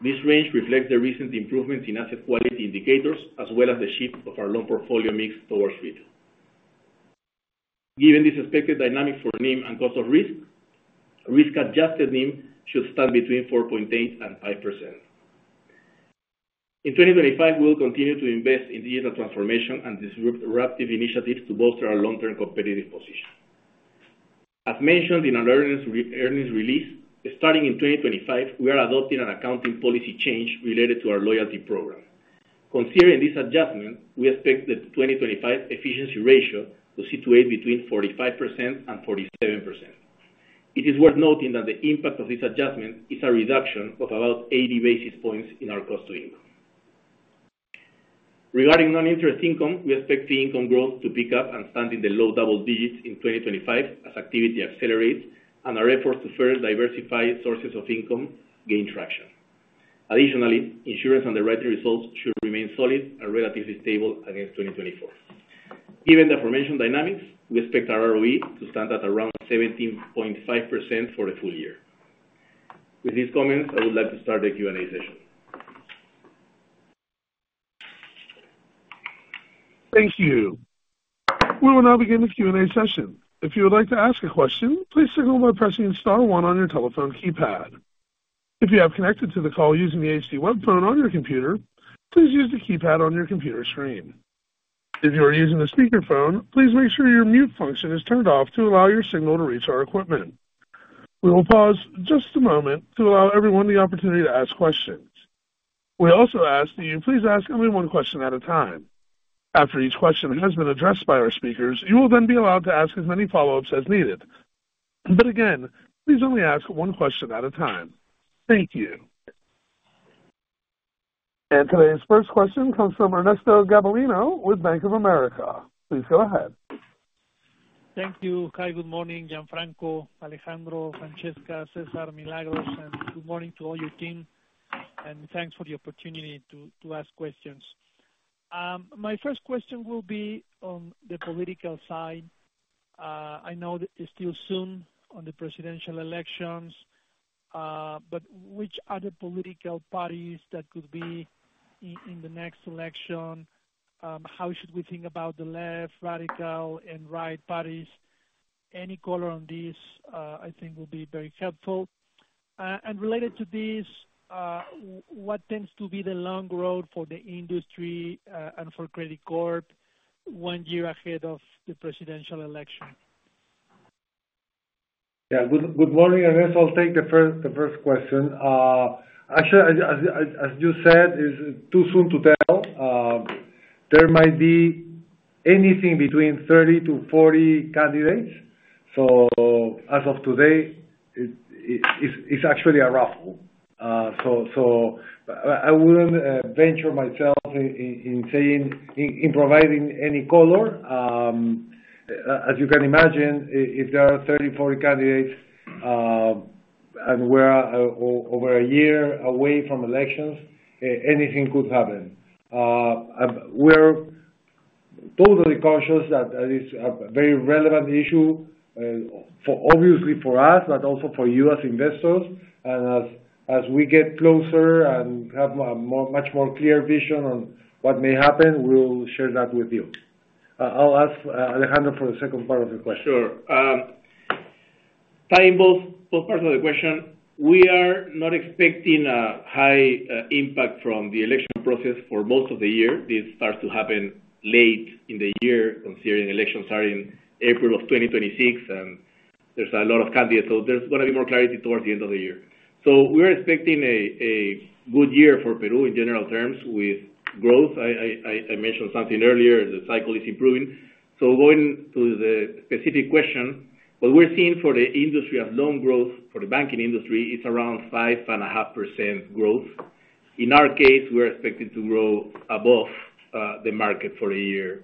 This range reflects the recent improvements in asset quality indicators, as well as the shift of our loan portfolio mix towards retail. Given this expected dynamic for NIM and cost of risk, risk-adjusted NIM should stand between 4.8% and 5%. In 2025, we will continue to invest in digital transformation and disruptive initiatives to bolster our long-term competitive position. As mentioned in our earnings release, starting in 2025, we are adopting an accounting policy change related to our loyalty program. Considering this adjustment, we expect the 2025 efficiency ratio to situate between 45% and 47%. It is worth noting that the impact of this adjustment is a reduction of about 80 basis points in our cost to income. Regarding non-interest income, we expect fee income growth to pick up and stand in the low double-digits in 2025 as activity accelerates and our efforts to further diversify sources of income gain traction. Additionally, insurance underwriting results should remain solid and relatively stable against 2024. Given the aforementioned dynamics, we expect our ROE to stand at around 17.5% for the full year. With these comments, I would like to start the Q&A session. Thank you. We will now begin the Q&A session. If you would like to ask a question, please signal by pressing star one on your telephone keypad. If you have connected to the call using the HD web phone on your computer, please use the keypad on your computer screen. If you are using a speakerphone, please make sure your mute function is turned off to allow your signal to reach our equipment. We will pause just a moment to allow everyone the opportunity to ask questions. We also ask that you please ask only one question at a time. After each question has been addressed by our speakers, you will then be allowed to ask as many follow-ups as needed. But again, please only ask one question at a time. Thank you. Today's first question comes from Ernesto Gabilondo with Bank of America. Please go ahead. Thank you. Hi, good morning, Gianfranco, Alejandro, Francesca, Cesar, Milagros, and good morning to all your team. And thanks for the opportunity to ask questions. My first question will be on the political side. I know it's still soon on the presidential elections, but which are the political parties that could be in the next election? How should we think about the left, radical, and right parties? Any color on this, I think, will be very helpful. And related to this, what tends to be the long road for the industry and for Credicorp one year ahead of the presidential election? Yeah, good morning, Ernesto. I'll take the first question. Actually, as you said, it's too soon to tell. There might be anything between 30-40 candidates. So as of today, it's actually a raffle. So I wouldn't venture myself in providing any color. As you can imagine, if there are 30, 40 candidates and we're over a year away from elections, anything could happen. We're totally conscious that it's a very relevant issue, obviously for us, but also for you as investors. And as we get closer and have a much more clear vision on what may happen, we'll share that with you. I'll ask Alejandro for the second part of the question. Sure. To both parts of the question. We are not expecting a high impact from the election process for most of the year. This starts to happen late in the year, considering elections are in April of 2026, and there's a lot of candidates. So there's going to be more clarity towards the end of the year. So we are expecting a good year for Peru in general terms with growth. I mentioned something earlier, the cycle is improving. So going to the specific question, what we're seeing for the industry as long growth for the banking industry is around 5.5% growth. In our case, we're expecting to grow above the market for the year.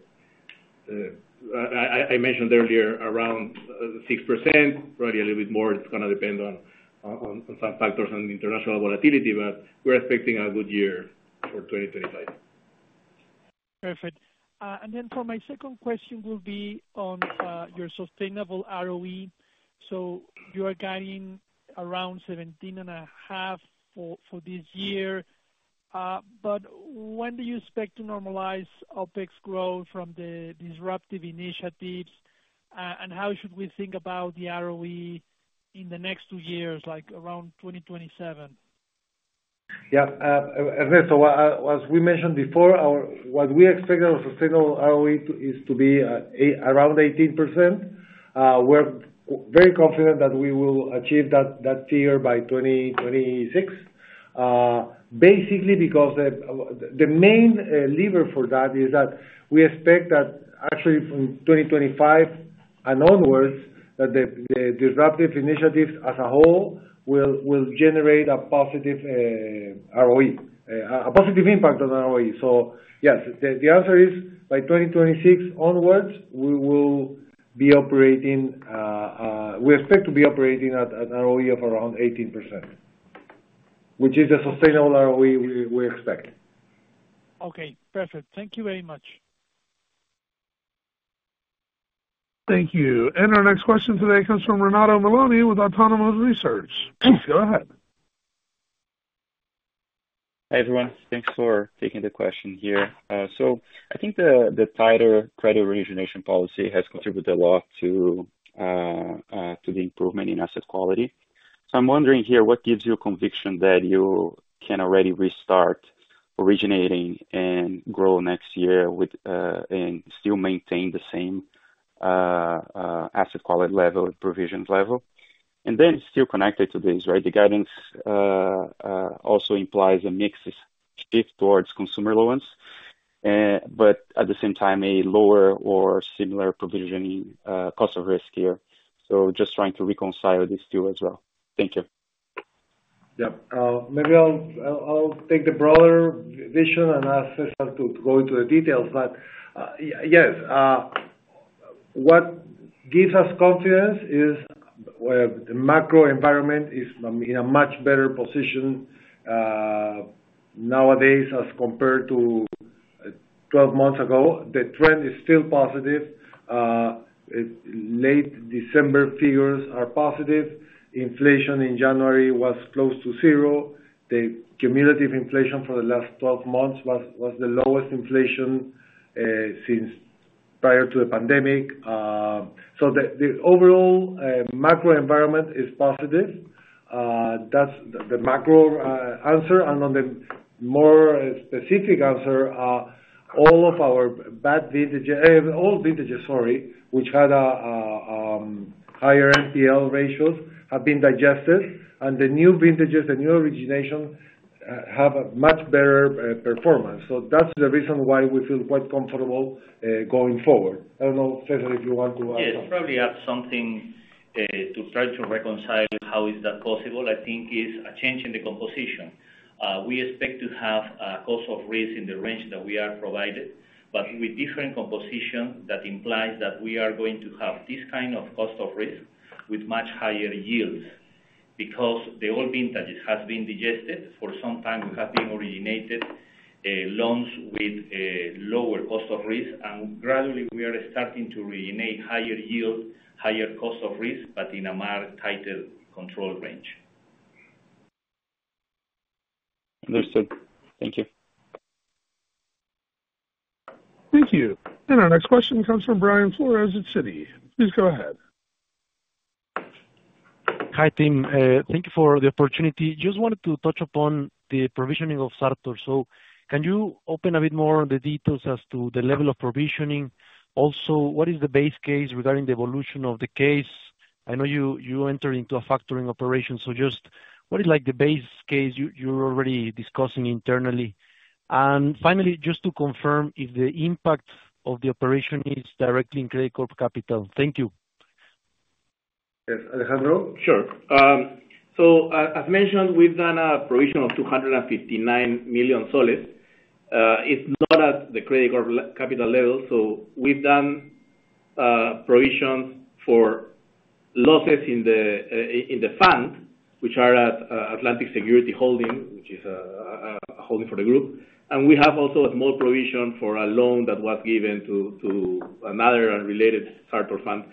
I mentioned earlier around 6%, probably a little bit more. It's going to depend on some factors and international volatility, but we're expecting a good year for 2025. Perfect. And then for my second question will be on your sustainable ROE. So you are guiding around 17.5% for this year. But when do you expect to normalize OpEx growth from the disruptive initiatives? And how should we think about the ROE in the next two years, like around 2027? Yeah. Ernesto, as we mentioned before, what we expect our sustainable ROE is to be around 18%. We're very confident that we will achieve that there by 2026, basically because the main lever for that is that we expect that actually from 2025 and onwards, that the disruptive initiatives as a whole will generate a positive ROE, a positive impact on ROE. So yes, the answer is by 2026 onwards, we will be operating. We expect to be operating at an ROE of around 18%, which is the sustainable ROE we expect. Okay. Perfect. Thank you very much. Thank you. And our next question today comes from Renato Meloni with Autonomous Research. Please go ahead. Hi everyone. Thanks for taking the question here. So I think the tighter credit origination policy has contributed a lot to the improvement in asset quality. I'm wondering here, what gives you a conviction that you can already restart originating and grow next year and still maintain the same asset quality level and provisions level? And then still connected to this, right? The guidance also implies a mix shift towards consumer loans, but at the same time, a lower or similar provisioning cost of risk here. So just trying to reconcile these two as well. Thank you. Yep. Maybe I'll take the broader vision and ask Cesar to go into the details. But yes, what gives us confidence is the macro environment is in a much better position nowadays as compared to 12 months ago. The trend is still positive. Late December figures are positive. Inflation in January was close to zero. The cumulative inflation for the last 12 months was the lowest inflation since prior to the pandemic. So the overall macro environment is positive. That's the macro answer. And on the more specific answer, all of our bad vintages, all vintages, sorry, which had higher NPL ratios have been digested. And the new vintages, the new originations have a much better performance. So that's the reason why we feel quite comfortable going forward. I don't know, Cesar, if you want to add something. Yes, probably add something to try to reconcile how is that possible. I think it's a change in the composition. We expect to have a cost of risk in the range that we are provided, but with different composition that implies that we are going to have this kind of cost of risk with much higher yields because the old vintages have been digested for some time. We have been originating loans with lower cost of risk, and gradually we are starting to originate higher yield, higher cost of risk, but in a more tighter control range. Understood. Thank you. Thank you. And our next question comes from Brian Flores at Citi. Please go ahead. Hi team. Thank you for the opportunity. Just wanted to touch upon the provisioning of Sartor. So can you open a bit more on the details as to the level of provisioning? Also, what is the base case regarding the evolution of the case? I know you entered into a factoring operation. So just what is the base case you're already discussing internally? And finally, just to confirm if the impact of the operation is directly in Credicorp Capital. Thank you. Yes, Alejandro? Sure. So as mentioned, we've done a provision of PEN 259 million. It's not at the Credicorp Capital level. So we've done provisions for losses in the fund, which are at Atlantic Security Holding, which is a holding for the group. And we have also a small provision for a loan that was given to another related Sartor fund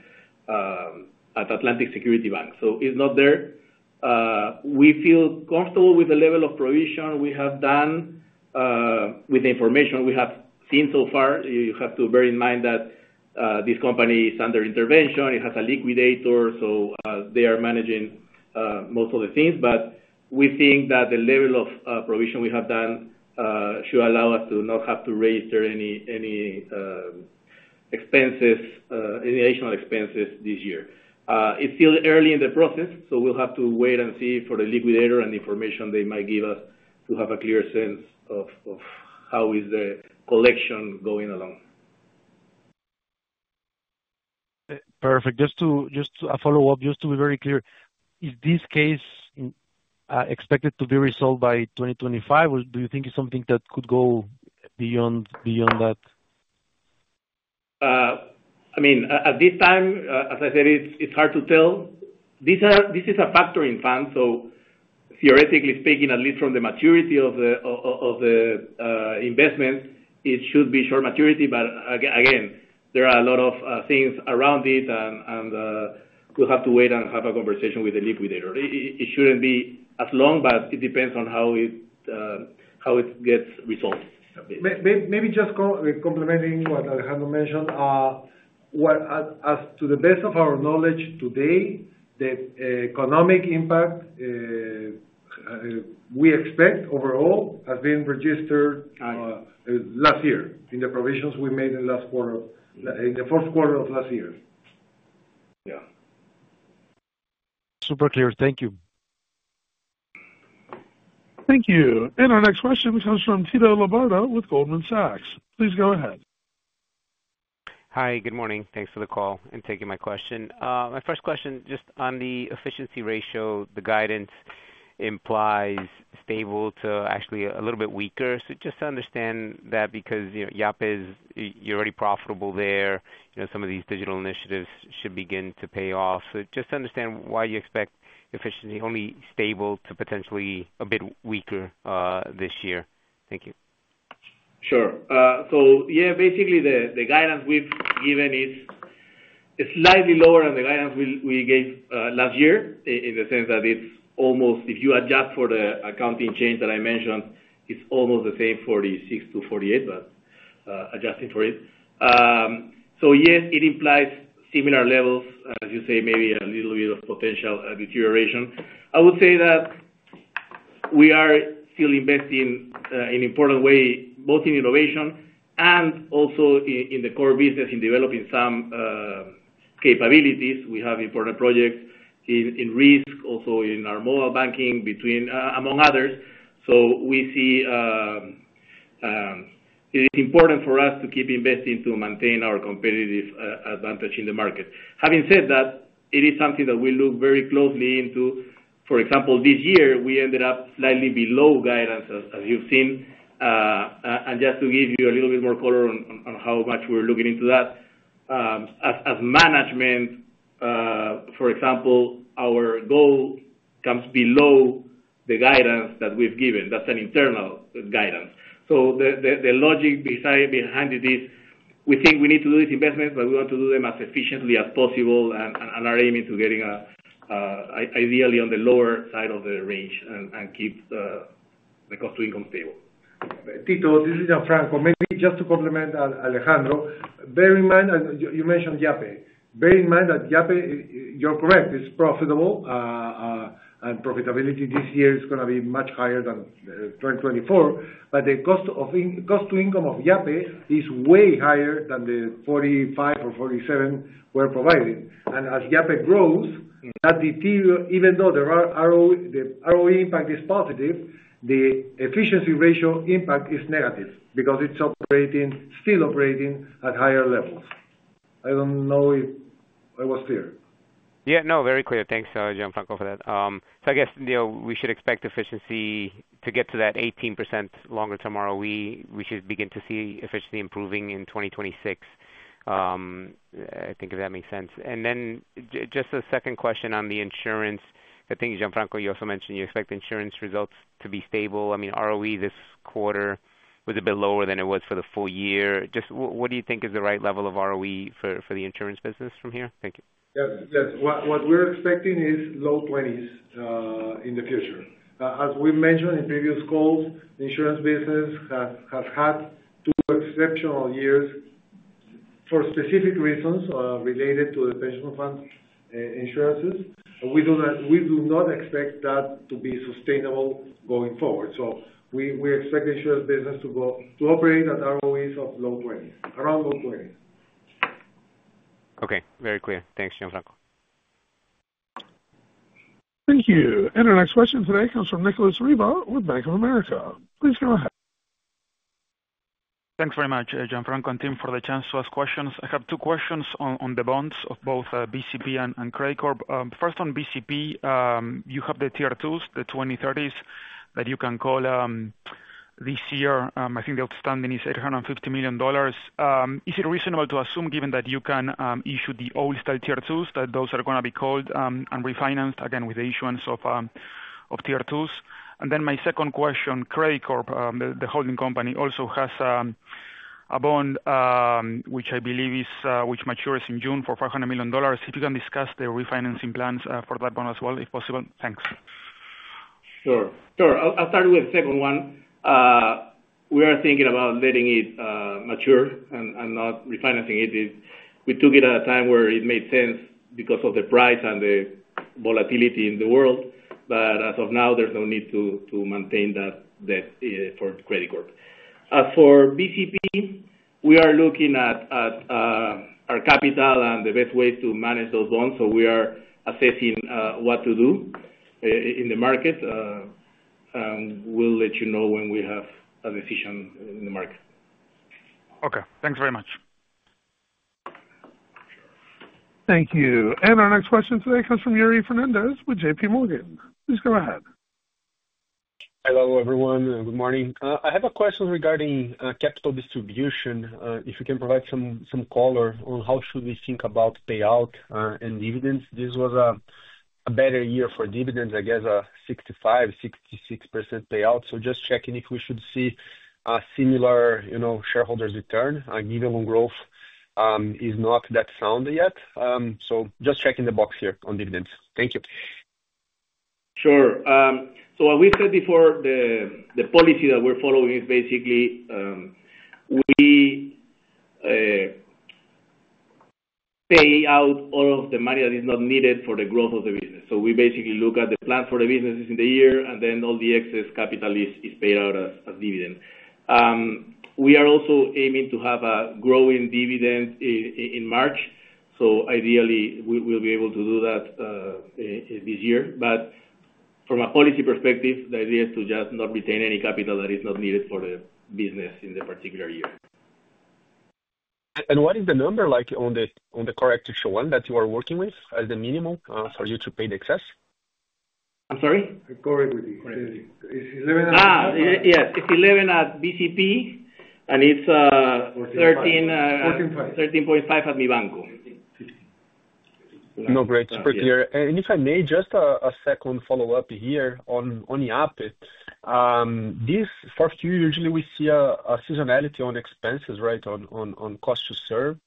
at Atlantic Security Bank. So it's not there. We feel comfortable with the level of provision we have done with the information we have seen so far. You have to bear in mind that this company is under intervention. It has a liquidator, so they are managing most of the things. But we think that the level of provision we have done should allow us to not have to raise any additional expenses this year. It's still early in the process, so we'll have to wait and see for the liquidator and the information they might give us to have a clear sense of how is the collection going along. Perfect. Just a follow-up, just to be very clear, is this case expected to be resolved by 2025, or do you think it's something that could go beyond that? I mean, at this time, as I said, it's hard to tell. This is a factoring fund, so theoretically speaking, at least from the maturity of the investment, it should be short maturity. But again, there are a lot of things around it, and we'll have to wait and have a conversation with the liquidator. It shouldn't be as long, but it depends on how it gets resolved. Maybe just complementing what Alejandro mentioned, as to the best of our knowledge today, the economic impact we expect overall has been registered last year in the provisions we made in the fourth quarter of last year. Yeah. Super clear. Thank you. Thank you. And our next question comes from Tito Labarta with Goldman Sachs. Please go ahead. Hi, good morning. Thanks for the call and taking my question. My first question just on the efficiency ratio, the guidance implies stable to actually a little bit weaker. So just to understand that because Yape, you're already profitable there, some of these digital initiatives should begin to pay off. So just to understand why you expect efficiency only stable to potentially a bit weaker this year. Thank you. Sure. So yeah, basically the guidance we've given is slightly lower than the guidance we gave last year in the sense that it's almost, if you adjust for the accounting change that I mentioned, it's almost the same 46%-48%, but adjusting for it. So yes, it implies similar levels, as you say, maybe a little bit of potential deterioration. I would say that we are still investing in an important way, both in innovation and also in the core business, in developing some capabilities. We have important projects in risk, also in our Mobile Banking, among others. So we see it is important for us to keep investing to maintain our competitive advantage in the market. Having said that, it is something that we look very closely into. For example, this year, we ended up slightly below guidance, as you've seen. And just to give you a little bit more color on how much we're looking into that, as management, for example, our goal comes below the guidance that we've given. That's an internal guidance. So the logic behind it is we think we need to do these investments, but we want to do them as efficiently as possible and are aiming to getting ideally on the lower side of the range and keep the cost to income stable. Tito, this is Gianfranco. Maybe just to complement Alejandro, bear in mind, you mentioned Yape. Bear in mind that Yape, you're correct, it's profitable, and profitability this year is going to be much higher than 2024. But the cost to income of Yape is way higher than the 45% or 47% we're providing. And as Yape grows, that deteriorate, even though the ROE impact is positive, the efficiency ratio impact is negative because it's still operating at higher levels. I don't know if I was clear. Yeah, no, very clear. Thanks, Gianfranco, for that. So I guess we should expect efficiency to get to that 18% longer term ROE. We should begin to see efficiency improving in 2026, I think if that makes sense. And then just a second question on the insurance. I think, Gianfranco, you also mentioned you expect insurance results to be stable. I mean, ROE this quarter was a bit lower than it was for the full year. Just what do you think is the right level of ROE for the Insurance business from here? Thank you. Yes. What we're expecting is low 20s% in the future. As we mentioned in previous calls, the Insurance business has had two exceptional years for specific reasons related to the pension fund insurances. We do not expect that to be sustainable going forward. So we expect the Insurance business to operate at ROEs of low 20s, around low 20s. Okay. Very clear. Thanks, Gianfranco. Thank you. And our next question today comes from Nicolas Riva with Bank of America. Please go ahead. Thanks very much, Gianfranco and team, for the chance to ask questions. I have two questions on the bonds of both BCP and Credicorp. First, on BCP, you have the Tier 2s, the 2030s that you can call this year. I think the outstanding is $850 million. Is it reasonable to assume, given that you can issue the old-style Tier 2s, that those are going to be called and refinanced again with the issuance of Tier 2s? And then my second question, Credicorp, the holding company, also has a bond which I believe matures in June for $500 million. If you can discuss the refinancing plans for that bond as well, if possible. Thanks. Sure. Sure. I'll start with the second one. We are thinking about letting it mature and not refinancing it. We took it at a time where it made sense because of the price and the volatility in the world. But as of now, there's no need to maintain that debt for Credicorp. As for BCP, we are looking at our capital and the best ways to manage those bonds. So we are assessing what to do in the market. We'll let you know when we have a decision in the market. Okay. Thanks very much. Thank you. And our next question today comes from Yuri Fernandes with JPMorgan. Please go ahead. Hello everyone. Good morning. I have a question regarding capital distribution. If you can provide some color on how should we think about payout and dividends? This was a better year for dividends, I guess, 65%, 66% payout. So just checking if we should see a similar shareholders' return? Even when growth is not that sound yet. So just checking the box here on dividends. Thank you. Sure. So what we said before, the policy that we're following is basically we pay out all of the money that is not needed for the growth of the business. So we basically look at the plan for the businesses in the year, and then all the excess capital is paid out as dividend. We are also aiming to have a growing dividend in March. So ideally, we'll be able to do that this year. But from a policy perspective, the idea is to just not retain any capital that is not needed for the business in the particular year. And what is the number on the core equity that you are working with as the minimum for you to pay the excess? I'm sorry? It's 11 at BCP, and it's 13.5% at Mibanco. No. It's super clear. And if I may, just a second follow-up here on Yape. For a few years, we see a seasonality on expenses, right, on cost to serve.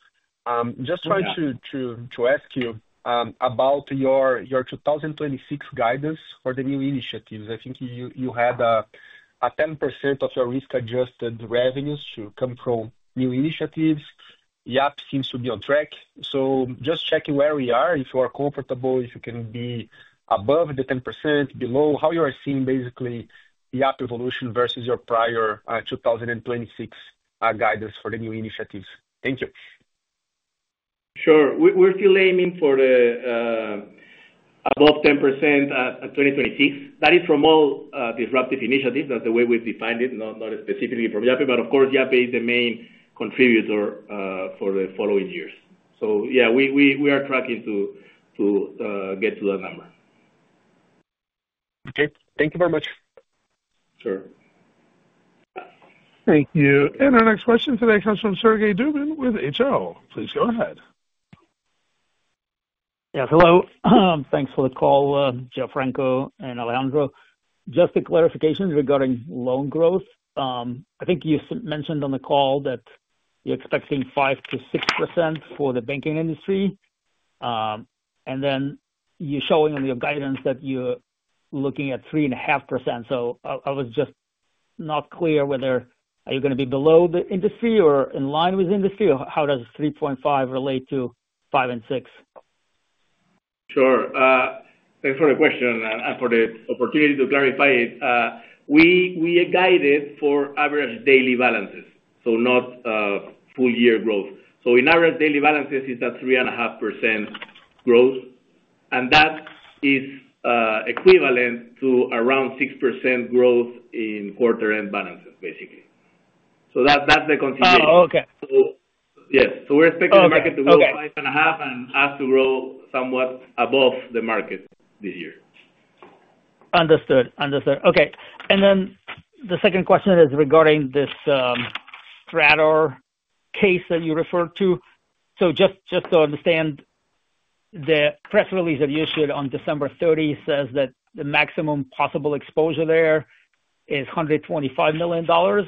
Just trying to ask you about your 2026 guidance for the new initiatives. I think you had a 10% of your risk-adjusted revenues to come from new initiatives. Yape seems to be on track. So just checking where we are, if you are comfortable, if you can be above the 10%, below, how you are seeing basically Yape evolution versus your prior 2026 guidance for the new initiatives. Thank you. Sure. We're still aiming for above 10% in 2026. That is from all disruptive initiatives. That's the way we've defined it, not specifically from Yape. But of course, Yape is the main contributor for the following years. So yeah, we are tracking to get to that number. Okay. Thank you very much. Sure. Thank you. Our next question today comes from Sergey Dubin with HL. Please go ahead. Yeah. Hello. Thanks for the call, Gianfranco and Alejandro. Just a clarification regarding loan growth. I think you mentioned on the call that you're expecting 5%-6% for the banking industry. And then you're showing on your guidance that you're looking at 3.5%. So I was just not clear whether you are going to be below the industry or in line with the industry? How does 3.5% relate to 5% and 6%? Sure. Thanks for the question and for the opportunity to clarify it. We are guided for average daily balances, so not full-year growth. So in average daily balances, it's at 3.5% growth. And that is equivalent to around 6% growth in quarter-end balances, basically. So that's the consideration. Yes. So we're expecting the market to grow 5.5% and us to grow somewhat above the market this year. Understood. Understood. Okay. And then the second question is regarding this Sartor case that you referred to. So just to understand, the press release that you issued on December 30 says that the maximum possible exposure there is $125 million,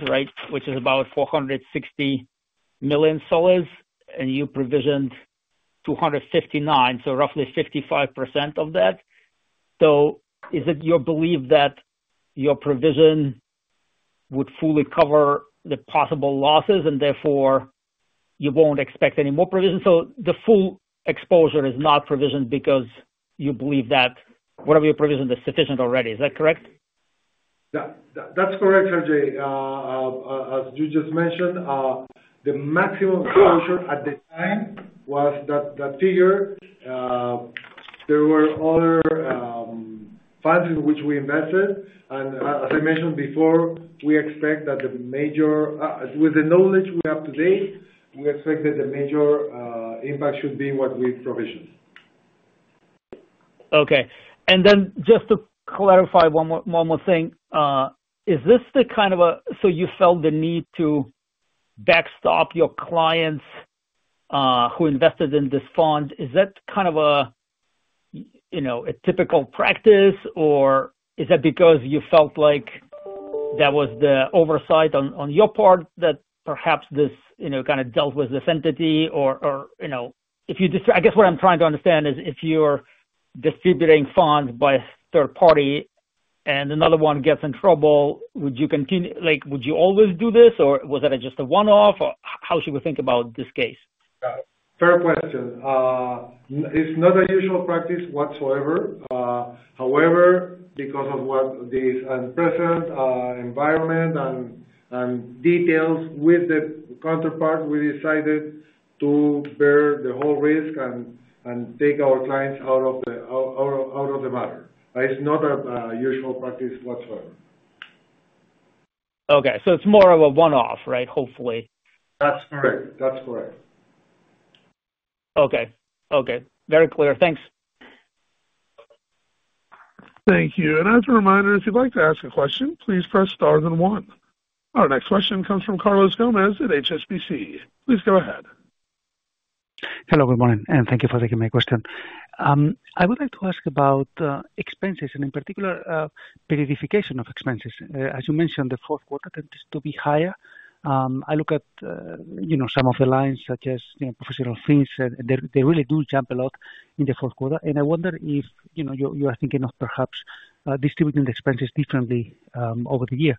right, which is about PEN 460 million. And you provisioned PEN 259, so roughly 55% of that. So is it your belief that your provision would fully cover the possible losses and therefore you won't expect any more provision? So the full exposure is not provisioned because you believe that whatever you provisioned is sufficient already. Is that correct? That's correct, Sergey. As you just mentioned, the maximum exposure at the time was that figure. There were other funds in which we invested. And as I mentioned before, with the knowledge we have today, we expect that the major impact should be what we provisioned. Okay. And then just to clarify one more thing. Is this the kind of a so you felt the need to backstop your clients who invested in this fund? Is that kind of a typical practice, or is that because you felt like that was the oversight on your part that perhaps this kind of dealt with this entity? Or, if you, I guess, what I'm trying to understand is if you're distributing funds by third party and another one gets in trouble, would you continue? Would you always do this, or was that just a one-off? How should we think about this case? Fair question. It's not a usual practice whatsoever. However, because of the unpleasant environment and details with the counterpart, we decided to bear the whole risk and take our clients out of the matter. It's not a usual practice whatsoever. Okay. So it's more of a one-off, right, hopefully? That's correct. That's correct. Okay. Okay. Very clear. Thanks. Thank you. As a reminder, if you'd like to ask a question, please press star then one. Our next question comes from Carlos Gomez at HSBC. Please go ahead. Hello. Good morning. And thank you for taking my question. I would like to ask about expenses and in particular, periodization of expenses. As you mentioned, the fourth quarter tends to be higher. I look at some of the lines such as professional things. They really do jump a lot in the fourth quarter. And I wonder if you are thinking of perhaps distributing the expenses differently over the year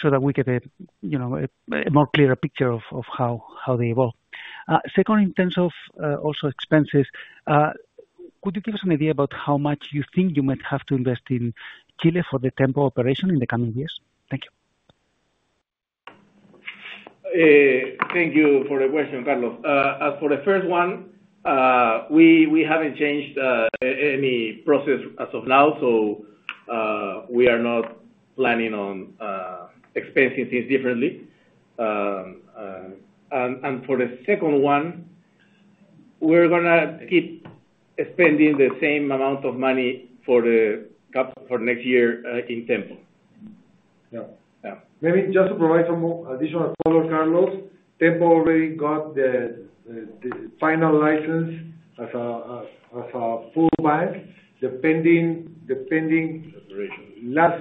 so that we get a more clearer picture of how they evolve. Second, in terms of also expenses, could you give us an idea about how much you think you might have to invest in Chile for the Tenpo operation in the coming years? Thank you. Thank you for the question, Carlos. As for the first one, we haven't changed any process as of now. So we are not planning on expensing things differently. And for the second one, we're going to keep spending the same amount of money for next year in Tenpo. Maybe just to provide some additional color, Carlos, Tenpo already got the final license as a full bank. The pending last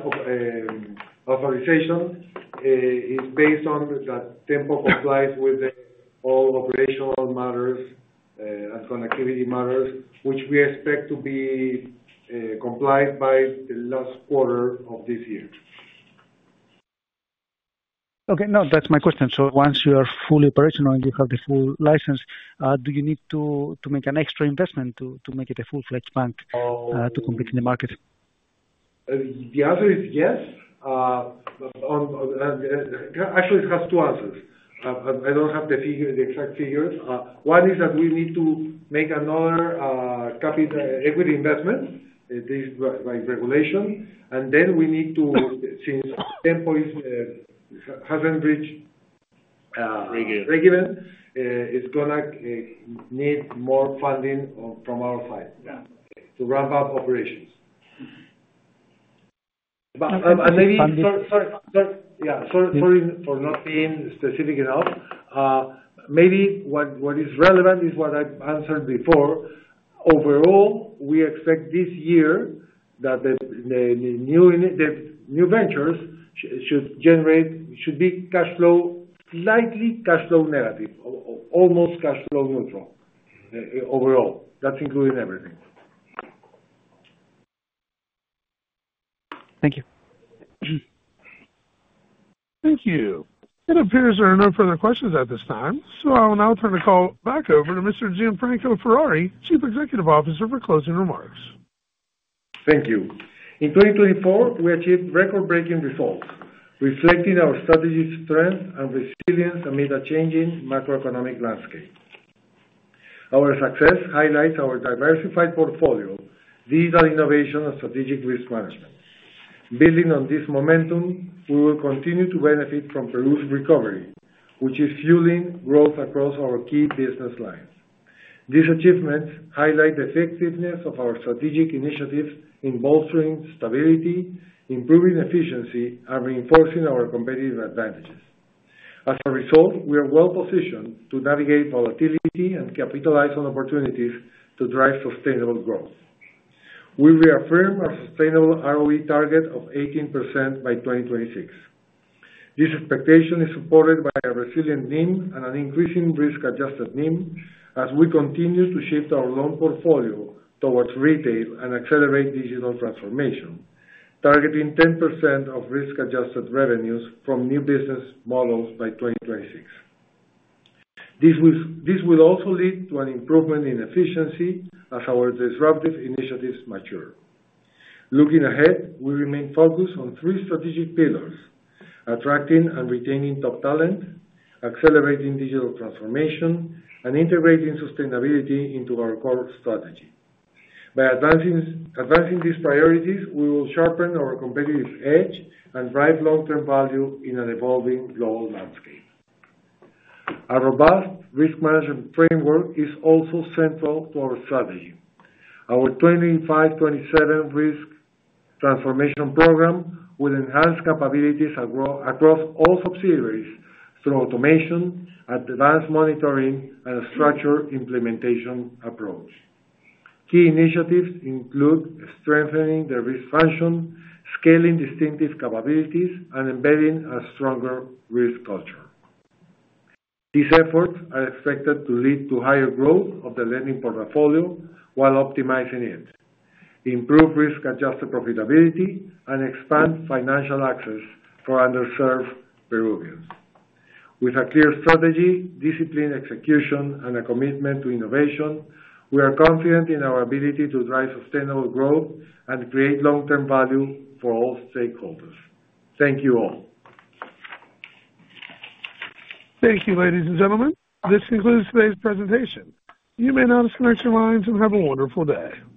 authorization is based on that Tenpo complies with all operational matters and connectivity matters, which we expect to be complied by the last quarter of this year. Okay. No, that's my question. So once you are fully operational and you have the full license, do you need to make an extra investment to make it a full-fledged bank to compete in the market? The answer is yes. Actually, it has two answers. I don't have the exact figures. One is that we need to make another capital equity investment by regulation. And then we need to, since Tenpo hasn't reached regulation, it's going to need more funding from our side to ramp up operations. And maybe Sorry. Yeah. Sorry for not being specific enough. Maybe what is relevant is what I've answered before. Overall, we expect this year that the new ventures should be slightly cash flow negative, almost cash flow neutral overall. That's including everything. Thank you. Thank you. It appears there are no further questions at this time. So I will now turn the call back over to Mr. Gianfranco Ferrari, Chief Executive Officer for closing remarks. Thank you. In 2024, we achieved record-breaking results, reflecting our strategy's strength and resilience amid a changing macroeconomic landscape. Our success highlights our diversified portfolio, digital innovation, and strategic risk management. Building on this momentum, we will continue to benefit from Peru's recovery, which is fueling growth across our key business lines. These achievements highlight the effectiveness of our strategic initiatives in bolstering stability, improving efficiency, and reinforcing our competitive advantages. As a result, we are well-positioned to navigate volatility and capitalize on opportunities to drive sustainable growth. We reaffirm our sustainable ROE target of 18% by 2026. This expectation is supported by a resilient NIM and an increasing risk-adjusted NIM as we continue to shift our loan portfolio towards retail and accelerate digital transformation, targeting 10% of risk-adjusted revenues from new business models by 2026. This will also lead to an improvement in efficiency as our disruptive initiatives mature. Looking ahead, we remain focused on three strategic pillars: attracting and retaining top talent, accelerating digital transformation, and integrating sustainability into our core strategy. By advancing these priorities, we will sharpen our competitive edge and drive long-term value in an evolving global landscape. A robust risk management framework is also central to our strategy. Our 2025/2027 Risk Transformation Program will enhance capabilities across all subsidiaries through automation, advanced monitoring, and a structured implementation approach. Key initiatives include strengthening the risk function, scaling distinctive capabilities, and embedding a stronger risk culture. These efforts are expected to lead to higher growth of the lending portfolio while optimizing it, improve risk-adjusted profitability, and expand financial access for underserved Peruvians. With a clear strategy, disciplined execution, and a commitment to innovation, we are confident in our ability to drive sustainable growth and create long-term value for all stakeholders. Thank you all. Thank you, ladies and gentlemen. This concludes today's presentation. You may now disconnect your lines and have a wonderful day.